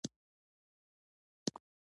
اقتصادي نظم د بریا اساس ګڼل کېږي.